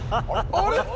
あれ？